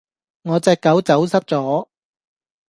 我隻狗走失咗